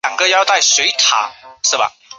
奇异龙是兰斯组的常见恐龙。